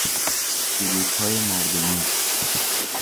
سرودهای مردمی